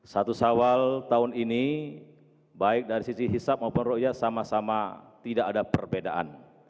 satu sawal tahun ini baik dari sisi hisab maupun roya sama sama tidak ada perbedaan